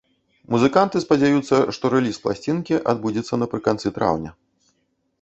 Музыканты спадзяюцца, што рэліз пласцінкі адбудзецца напрыканцы траўня.